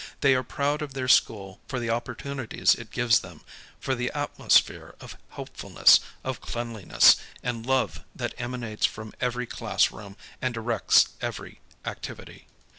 They are proud of their school for the opportunities it gives them, for the atmosphere of helpfulness, of cleanliness, and love that emanates from every classroom and directs every activity.